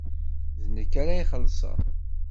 D nekk ara ixellṣen.